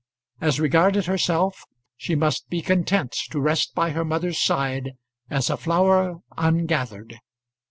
As regarded herself, she must be content to rest by her mother's side as a flower ungathered.